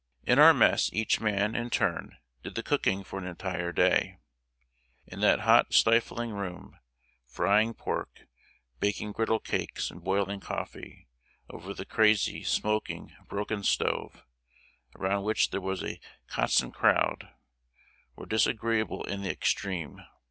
In our mess, each man, in turn, did the cooking for an entire day. In that hot, stifling room, frying pork, baking griddle cakes, and boiling coffee, over the crazy, smoking, broken stove, around which there was a constant crowd, were disagreeable in the extreme.